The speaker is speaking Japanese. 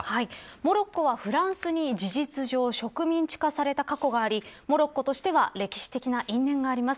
モロッコはフランスに事実上植民地化された過去がありモロッコとしては歴史的な因縁があります。